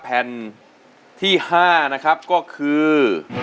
แผ่นที่๕นะครับก็คือ